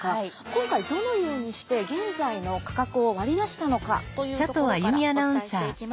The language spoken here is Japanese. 今回どのようにして現在の価格を割り出したのかというところからお伝えしていきます。